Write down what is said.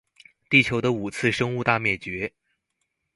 地球的五次生物大滅絕